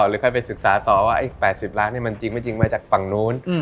หรือใครไปศึกษาต่อว่า๘๐ล้านมันจริงมาจากฝั่งโน้น